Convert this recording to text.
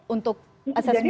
untuk assessment ini